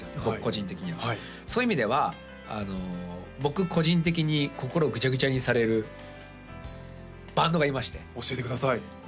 僕個人的にはそういう意味では僕個人的に心をグチャグチャにされるバンドがいまして教えてください